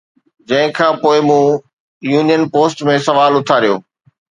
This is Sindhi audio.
جنهن کان پوءِ مون پوئين پوسٽ ۾ سوال اٿاريو